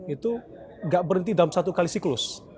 itu tidak berhenti dalam satu kali siklus